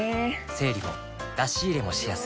整理も出し入れもしやすい